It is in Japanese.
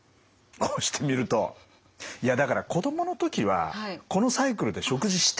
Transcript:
こうして見るといやだから子供の時はこのサイクルで食事してたんですよ。